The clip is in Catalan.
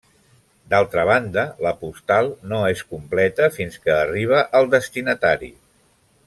D'altra banda la postal no es completa fins que arriba al destinatari.